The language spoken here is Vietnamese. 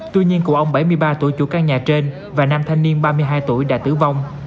tuy nhiên cụ ông bảy mươi ba tuổi chủ căn nhà trên và nam thanh niên ba mươi hai tuổi đã tử vong